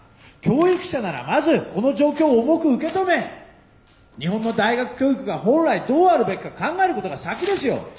教育者ならまずこの状況を重く受け止め日本の大学教育が本来どうあるべきか考えることが先ですよ。